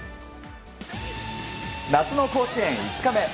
夏の甲子園５日目。